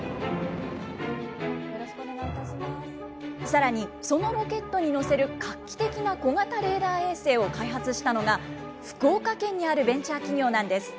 さらに、そのロケットに載せる画期的な小型レーダー衛星を開発したのが、福岡県にあるベンチャー企業なんです。